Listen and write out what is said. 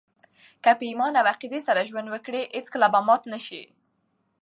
که په ایمان او عقیدې سره ژوند وکړئ، هېڅکله به مات نه سئ!